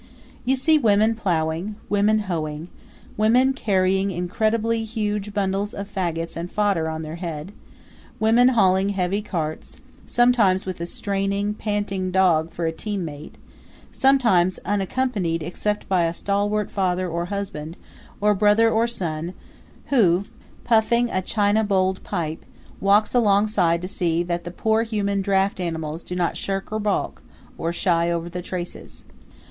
You see women plowing; women hoeing; women carrying incredibly huge bundles of fagots and fodder on their heads; women hauling heavy carts, sometimes with a straining, panting dog for a teammate, sometimes unaccompanied except by a stalwart father or husband, or brother or son, who, puffing a china bowled pipe, walks alongside to see that the poor human draft animals do not shirk or balk, or shy over the traces.